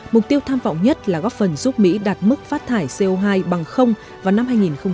mục tiêu tham vọng nhất là góp phần giúp mỹ đạt mức phát thải co hai bằng vào năm hai nghìn năm mươi